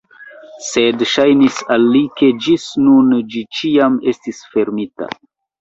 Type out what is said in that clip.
Sed ŝajnis al li, ke ĝis nun ĝi ĉiam estis fermita.